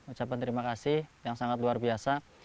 ucapan terima kasih yang sangat luar biasa